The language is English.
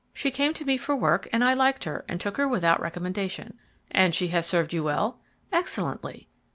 She came to me for work and I liked her and took her without recommendation." "And she has served you well?" "Excellently."